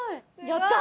やった！